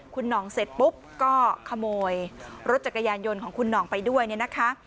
คุณหน่องเสร็จปุ๊บก็ขโมยรถจักรยานยนต์ของคุณห่องไปด้วยเนี่ยนะคะ